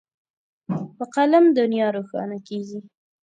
په قلم دنیا روښانه کېږي.